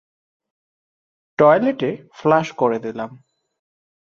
টয়লেটে ফ্ল্যাশ করে দিলাম।